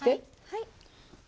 はい。